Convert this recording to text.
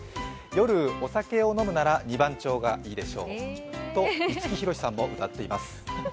夜、お酒を飲むなら二番町がいいでしょうと五木ひろしさんも歌っています。